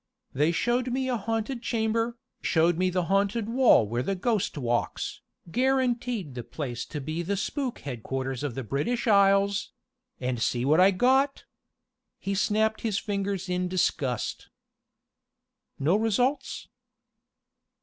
They showed me a haunted chamber, showed me the haunted wall where the ghost walks, guaranteed the place to be the Spook Headquarters of the British Isles and see what I got!" He snapped his fingers in disgust. "No results?"